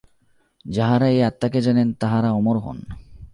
যাঁহারা এই আত্মাকে জানেন, তাঁহারা অমর হন।